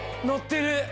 乗ってる。